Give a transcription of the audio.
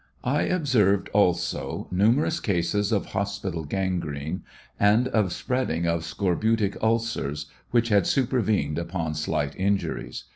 I observed also numerous cases of hospital gangrene, and of spreading scorbutic 178 BEBEL TESTIMONY. ulcers, which had supervened upon slight injuries.